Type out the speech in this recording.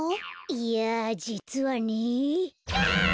いやじつはね。